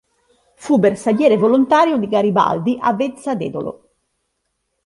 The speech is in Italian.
Fu bersagliere volontario di Garibaldi a Vezza d'Edolo.